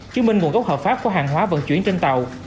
chứng minh nguồn gốc hợp pháp của hàng hóa vận chuyển trên tàu